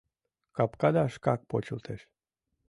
Капкада шкак почылтеш.